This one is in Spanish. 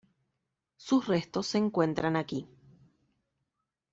Sus restos se encuentran aquí.